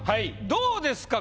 どうですか？